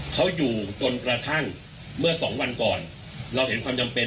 เขาอยู่จนกระทั่งเมื่อสองวันก่อนเราเห็นความจำเป็น